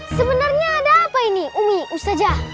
sebenarnya ada apa ini umi usajah